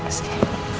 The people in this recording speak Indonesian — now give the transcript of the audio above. mbak kasau duit kamu